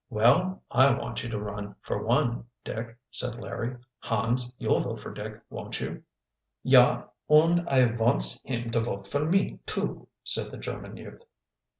"Well, I want you to run for one, Dick," said Larry. "Hans, you'll vote for Dick, won't you?" "Yah, und I vonts him to vote for me, too," said the German youth.